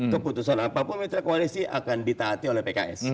keputusan apapun mitra koalisi akan ditaati oleh pks